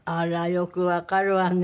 よくわかるわね。